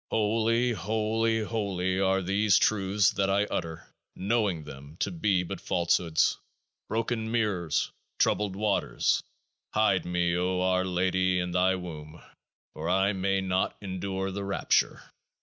Holy, Holy, Holy are these Truths that I utter, knowing them to be but falsehoods, broken mirrors, troubled waters ; hide me, O our Lady, in Thy Womb ! for I may not endure the rapture.